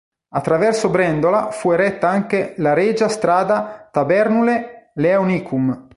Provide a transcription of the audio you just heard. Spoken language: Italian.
Attraverso Brendola fu eretta anche la "regia" strada "Tabernulae"-"Leonicum".